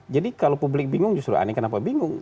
jadi kalau publik bingung justru aneh kenapa bingung